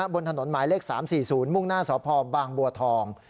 บนถนนหมายเลข๓๔๐มุ่งหน้าสพบางบัวทอง